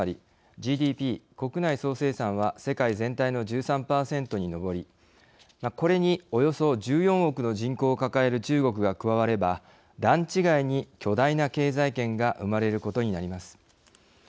ＧＤＰ＝国内総生産は世界全体の１３％に上りこれにおよそ１４億の人口を抱える中国が加われば段違いに巨大な経済圏が生まれることになります。